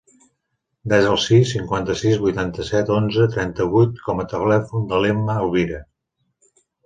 Desa el sis, cinquanta-sis, vuitanta-set, onze, trenta-vuit com a telèfon de l'Emma Elvira.